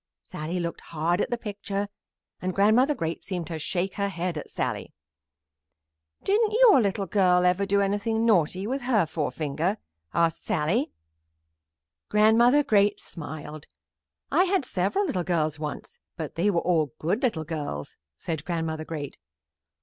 Sallie looked hard at the picture, and Grandmother Great seemed to shake her head at Sallie. "Didn't your little girl ever do anything naughty with her forefinger?" asked Sallie. Grandmother Great smiled. "I had several little girls once, but they were all good little girls," said Grandmother Great.